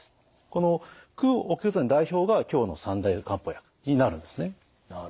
この駆血剤の代表が今日の三大漢方薬になるんですね。